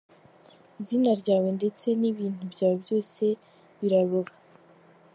Izina ryawe ndetse n’ibintu byawe byose birarura .